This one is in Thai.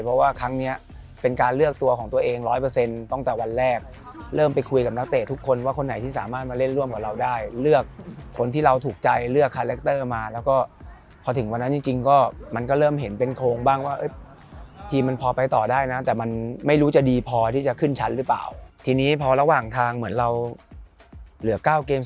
เพราะว่าครั้งเนี้ยเป็นการเลือกตัวของตัวเองร้อยเปอร์เซ็นต์ตั้งแต่วันแรกเริ่มไปคุยกับนักเตะทุกคนว่าคนไหนที่สามารถมาเล่นร่วมกับเราได้เลือกคนที่เราถูกใจเลือกคาแรคเตอร์มาแล้วก็พอถึงวันนั้นจริงจริงก็มันก็เริ่มเห็นเป็นโครงบ้างว่าทีมมันพอไปต่อได้นะแต่มันไม่รู้จะดีพอที่จะขึ้นชั้นหรือเปล่าทีนี้พอระหว่างทางเหมือนเราเหลือ๙เกม